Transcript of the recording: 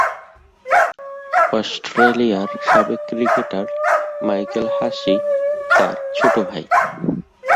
অস্ট্রেলিয়ার সাবেক cricketer Michael Hussey তার ছোট ভাই।